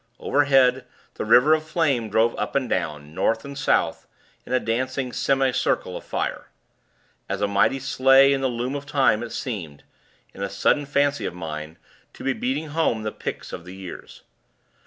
Overhead, the river of flame drove up and down, North and South, in a dancing semi circle of fire. As a mighty sleigh in the loom of time it seemed in a sudden fancy of mine to be beating home the picks of the years.